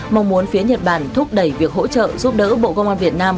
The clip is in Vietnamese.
mong muốn phía nhật bản thúc đẩy việc hỗ trợ giúp đỡ bộ công an việt nam